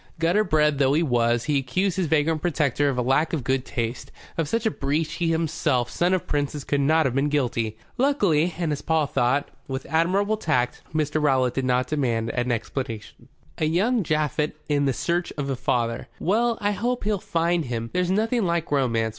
Gutter bred though he was, he accused his vagrant protector of a lack of good taste. Of such a breach he himself, son of princes, could not have been guilty. Luckily, and, as Paul thought, with admirable tact, Mr. Rowlatt did not demand explanation. "A young Japhet in search of a father. Well, I hope he'll find him. There's nothing like romance.